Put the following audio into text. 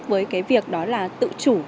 với việc tự chủ